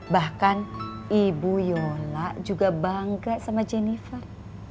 bahkan ibu yona juga bangga sama jennifer